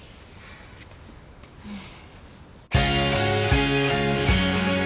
うん。